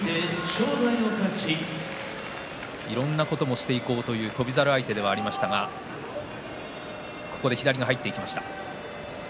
いろんなことをしていこうという翔猿相手ではありましたが左が入っていきました。